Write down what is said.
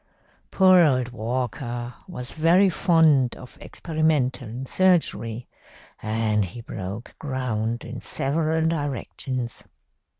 "Poor old Walker was very fond of experimental surgery, and he broke ground in several directions.